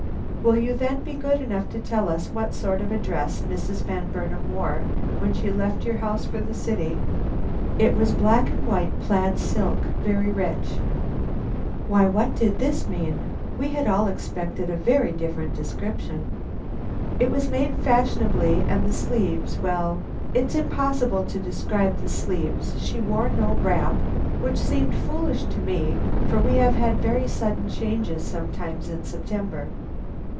"Will you, then, be good enough to tell us what sort of a dress Mrs. Van Burnam wore when she left your house for the city?" "It was a black and white plaid silk, very rich " Why, what did this mean? We had all expected a very different description. "It was made fashionably, and the sleeves well, it is impossible to describe the sleeves. She wore no wrap, which seemed foolish to me, for we have very sudden changes sometimes in September."